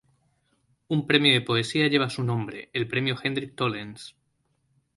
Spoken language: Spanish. Un premio de poesía lleva su nombre, el Premio Hendrik Tollens.